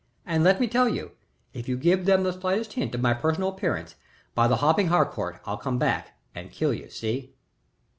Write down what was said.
And let me tell you, if you give them the slightest hint of my personal appearance, by the hopping Harcourt, I'll come back and kill you. See?"